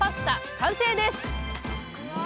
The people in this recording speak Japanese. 完成です！